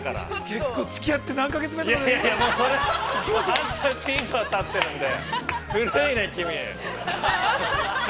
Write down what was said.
◆結構つき合って何か月めで。